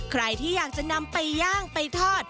ใครที่อยากจะนำไปย่างไปทอด